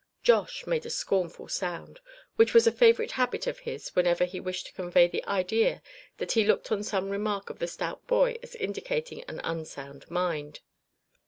Josh made a scornful sound, which was a favorite habit of his whenever he wished to convey the idea that he looked on some remark of the stout boy as indicating an unsound mind.